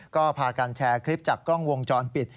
ก็พากันแชร์คลิปจากกล้องวงจรปิด